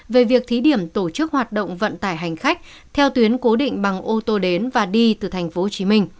về việc thí điểm tổ chức hoạt động vận tải hành khách theo tuyến cố định bằng ô tô đến và đi từ tp hcm